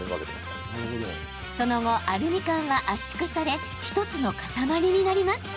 その後、アルミ缶は圧縮され１つの塊になります。